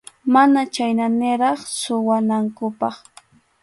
Mana chhayna niraq suwanankupaq.